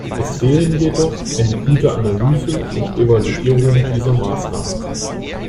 Es fehlen jedoch eine gute Analyse und Evaluierung dieser Maßnahmen.